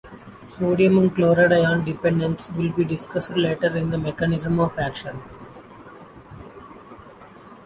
Sodium and Chloride ion dependence will be discussed later in the mechanism of action.